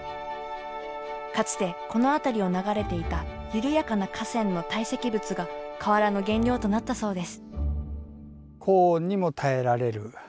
かつてこの辺りを流れていた緩やかな河川の堆積物が瓦の原料となったそうです。